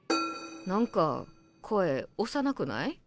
何か声幼くない？